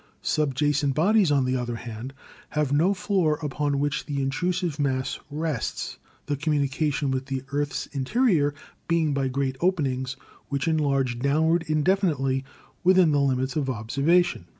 Subjacent bodies, on the other hand, have no floor upon which the intrusive mass rests, the communication with the earth's interior being by great openings which enlarge downward indefinitely within the limits of observation.